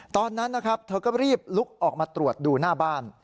ตอนนั้นนะครับเธอก็รีบลุกออกมาตรวจดูหน้าบ้าน